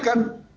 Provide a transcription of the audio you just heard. kalau di sini